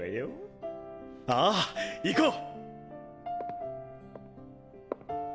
ああ行こう！